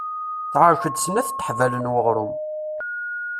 Teɛrek-d snat teḥbal n weɣrum.